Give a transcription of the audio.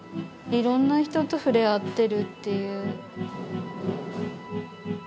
いろんな人と触れ合ってるっていう。